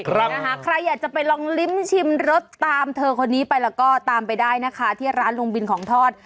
ใครอยากจะไปลองลิ้มชิมรสตามเธอคนนี้ไปแล้วก็ตามไปได้นะคะที่ร้านลุงบินของทอด